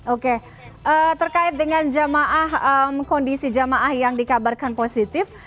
oke terkait dengan jamaah kondisi jamaah yang dikabarkan positif